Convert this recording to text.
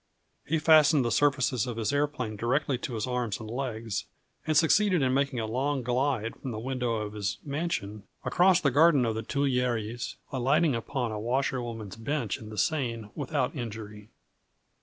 He fastened the surfaces of his aeroplane directly to his arms and legs, and succeeded in making a long glide from the window of his mansion across the garden of the Tuileries, alighting upon a washerwoman's bench in the Seine without injury.